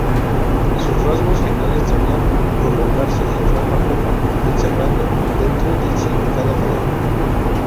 Sus rasgos finales solían prolongarse en forma curva, encerrando dentro de sí cada palabra.